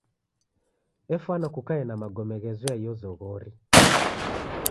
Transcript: Efwana kukaie na magome ghezoya iyo zoghori.